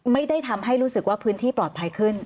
ไม่ได้ทำให้รู้สึกว่าพื้นที่ปลอดภัยขึ้น